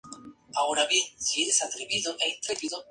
Fue desmovilizado en Beijing tras la rendición de Japón.